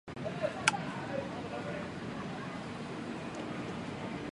其核心地区在中国西北地区。